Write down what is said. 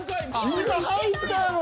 今入ったやろう。